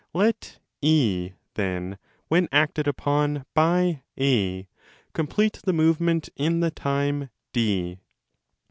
Let & then, when acted upon by 4, 30 complete the movement in the time D.